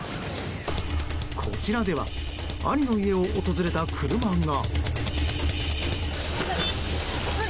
こちらでは兄の家を訪れた車が。